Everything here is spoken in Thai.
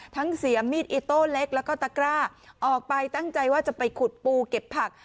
เสียมีดอิโต้เล็กแล้วก็ตะกร้าออกไปตั้งใจว่าจะไปขุดปูเก็บผัก